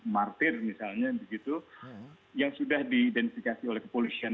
martir misalnya begitu yang sudah diidentifikasi oleh kepolisian